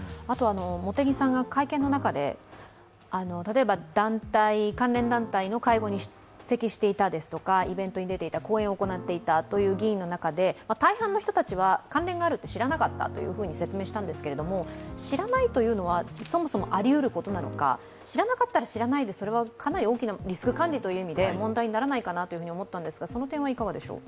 茂木さんが会見の中で、例えば関連団体の会合に出席していたですとかと、イベントに出ていた講演を行っていたという議員の中で大半の人たちは関連があると知らなかったと説明したんですが、知らないというのは、そもそもありうることなのか、知らなかったら知らないでそれはリスク管理という意味で問題にならないのかなと思ったんですが、その点はいかがでしょう。